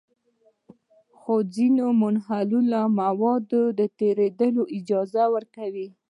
خو ځینې منحله موادو ته د تېرېدو اجازه ورکوي.